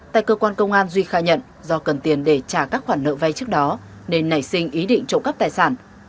tại cơ quan công an duy khai nhận do cần tiền để trả các khoản nợ vay trước đó nên nảy sinh ý định trộm cắp tài sản